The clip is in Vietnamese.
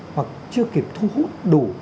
hoặc chưa kịp thu hút đủ